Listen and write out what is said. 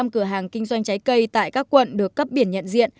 một trăm linh cửa hàng kinh doanh trái cây tại các quận được cấp biển nhận diện